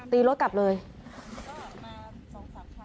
ง๊ะก็มา๒๓ครั้งค่ะ